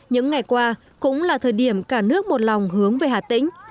những ngày qua cũng là thời điểm cả nước một lòng hướng về hà tĩnh